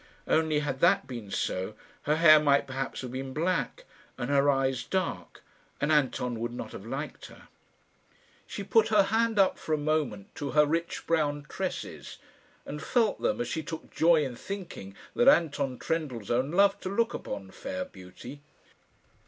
Only, had that been so, her hair might perhaps have been black, and her eyes dark, and Anton would not have liked her. She put her hand up for a moment to her rich brown tresses, and felt them as she took joy in thinking that Anton Trendellsohn loved to look upon fair beauty.